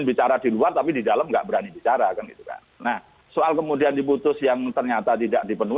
firly terbukti melanggar kode etik kpk